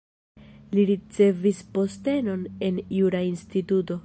Li ricevis postenon en jura instituto.